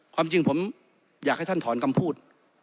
ความจริงผมอยากให้ท่านถอนคำพูด